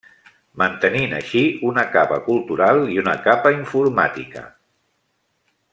Mantenint així una capa cultural i una capa informàtica.